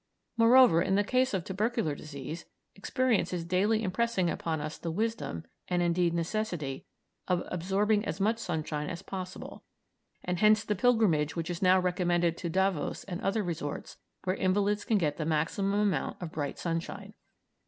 Moreover, in the case of tubercular disease experience is daily impressing upon us the wisdom, and indeed necessity, of absorbing as much sunshine as possible, and hence the pilgrimage which is now recommended to Davos and other resorts where invalids can get the maximum amount of bright sunshine.